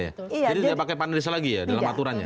jadi tidak pakai panelis lagi ya dalam aturannya